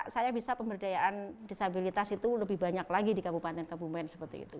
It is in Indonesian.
saya bisa pemberdayaan disabilitas itu lebih banyak lagi di kabupaten kabupaten seperti itu